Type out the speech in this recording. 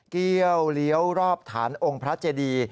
เกี้ยวเลี้ยวรอบฐานองค์พระเจดี